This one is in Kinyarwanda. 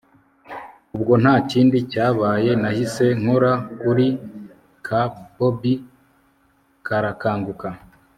ubwo ntakindi cyabaye, nahise nkora kuri ka bobi karakanguka